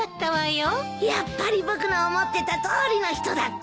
やっぱり僕の思ってたとおりの人だったんだ。